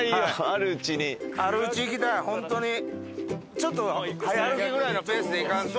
ちょっと早歩きぐらいのペースで行かんと。